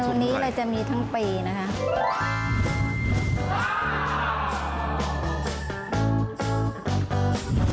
เมนูนี้เราจะมีทั้งปีนะครับ